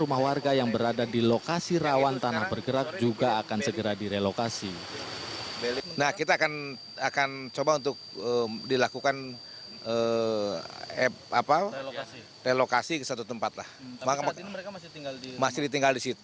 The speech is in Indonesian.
rumah warga yang berada di lokasi rawan tanah bergerak juga akan segera direlokasi